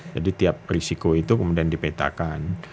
jadi tiap risiko itu kemudian dipetakan